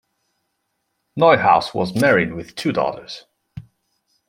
Neuhaus was married with two daughters.